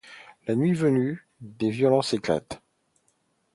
La nuit venue, des violences éclatent.